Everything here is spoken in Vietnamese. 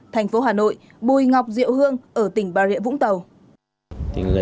thành phố hà nội bùi ngọc diệu hương ở tỉnh bà rịa vũng tàu